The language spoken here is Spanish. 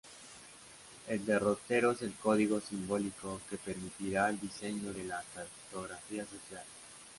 El derrotero es el código simbólico que permitirá el diseño de la cartografía social.